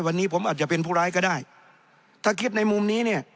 วันนี้ผมอาจจะเป็นผู้ร้ายก็ได้ถ้าคิดในมุมนี้เนี่ย